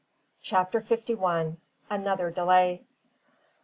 CHAPTER FIFTY ONE. ANOTHER DELAY.